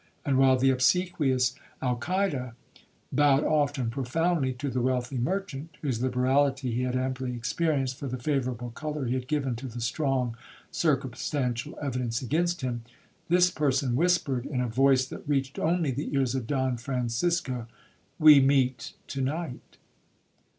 and while the obsequious Alcaide bowed oft and profoundly to the wealthy merchant, (whose liberality he had amply experienced for the favourable colour he had given to the strong circumstantial evidence against him), this person whispered, in a voice that reached only the ears of Don Francisco, 'We meet to night!'